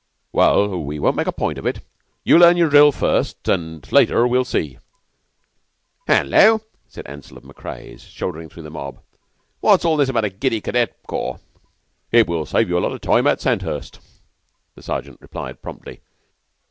"Well, we won't make a point of it. You learn your drill first, an' later we'll see." "Hullo," said Ansell of Macrea's, shouldering through the mob. "What's all this about a giddy cadet corps?" "It will save you a lot o' time at Sandhurst," the Sergeant replied promptly.